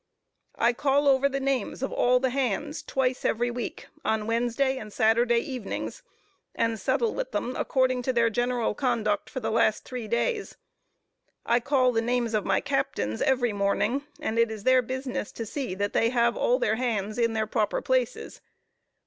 I call over the names of all the hands twice every week, on Wednesday and Saturday evenings, and settle with them according to their general conduct for the last three days. I call the names of my captains every morning, and it is their business to see that they have all their hands in their proper places.